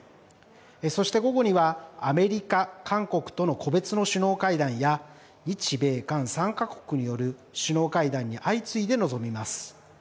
そして午後にはアメリカ、韓国との個別の首脳会談や日米韓３か国による首脳会談に相次いで臨みます。